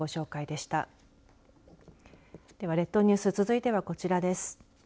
では、列島ニュース続いてはこちらです。